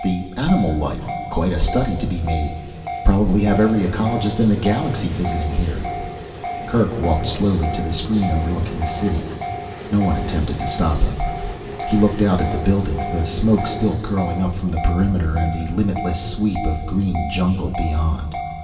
The animal life, quite a study to be made, probably have every ecologist in the galaxy visiting here." Kerk walked slowly to the screen overlooking the city. No one attempted to stop him. He looked out at the buildings, the smoke still curling up from the perimeter, and the limitless sweep of green jungle beyond.